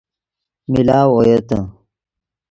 ملاؤ اویتے